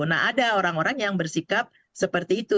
nah ada orang orang yang bersikap seperti itu